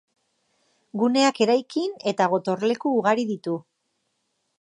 Guneak eraikin eta gotorleku ugari ditu.